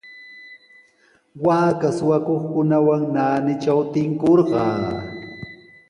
Waaka suqakuqkunawan naanitraw tinkurqaa.